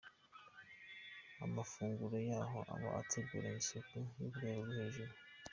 Amafunguro yaho aba ateguranye isuku yo ku rwego rwo hejuru.